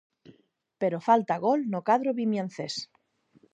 Pero falta gol no cadro vimiancés.